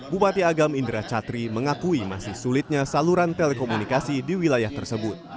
bupati agam indra catri mengakui masih sulitnya saluran telekomunikasi di wilayah tersebut